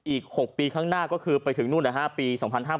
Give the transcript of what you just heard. อีก๖ปีข้างหน้าก็คือไปถึงนู่นปี๒๕๕๙